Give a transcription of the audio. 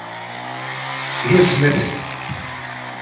Gezmet!